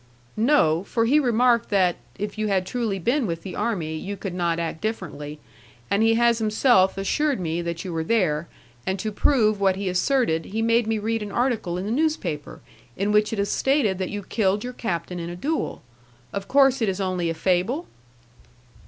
"No, for he remarked that, if you had truly been with the army, you could not act differently, and he has himself assured me that you were there, and to prove what he asserted he made me read an article in the newspaper, in which it is stated that you killed your captain in a duel. Of course it is only a fable?"